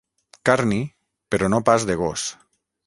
Carni, però no pas de gos.